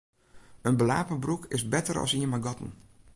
In belape broek is better as ien mei gatten.